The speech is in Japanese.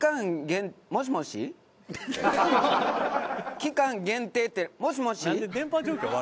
期間限定ってもしもし？